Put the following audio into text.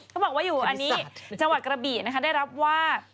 เขาบอกว่าอยู่อันนี้จังหวัดกระบี่นะคะได้รับว่า